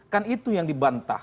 kan itu yang dibantah